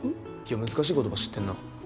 難しい言葉知ってるな。